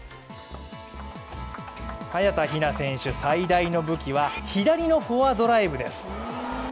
早田ひな選手、最大の武器は左のフォアドライブです。